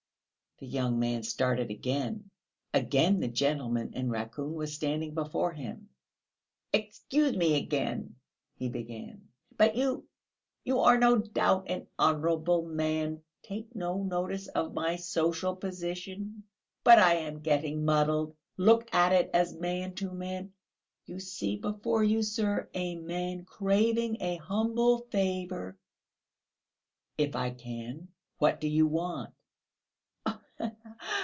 The young man started again; again the gentleman in raccoon was standing before him. "Excuse me again ..." he began, "but you ... you are no doubt an honourable man! Take no notice of my social position ... but I am getting muddled ... look at it as man to man ... you see before you, sir, a man craving a humble favour...." "If I can.... What do you want?"